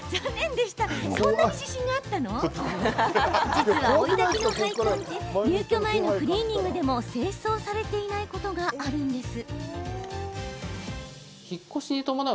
実は追いだきの配管って入居前のクリーニングでも清掃されていないことがあるんです。